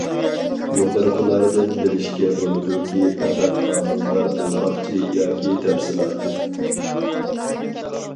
يۇقىرىقىلاردىن بىلىشكە بولىدۇكى، پەقەت ھامىلىدار بولماقچى ياكى. تەپسىلاتى.